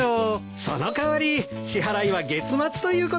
その代わり支払いは月末ということで。